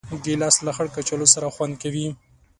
ګیلاس له خړ کچالو سره خوند کوي.